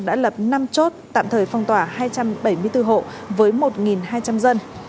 đã lập năm chốt tạm thời phong tỏa hai trăm bảy mươi bốn hộ với một hai trăm linh dân